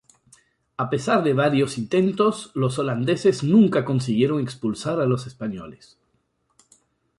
A pesar de varios intentos, los holandeses nunca consiguieron expulsar a los españoles.